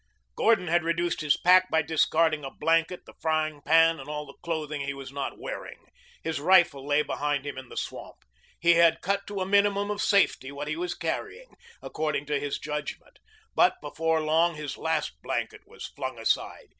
Gordon had reduced his pack by discarding a blanket, the frying pan, and all the clothing he was not wearing. His rifle lay behind him in the swamp. He had cut to a minimum of safety what he was carrying, according to his judgment. But before long his last blanket was flung aside.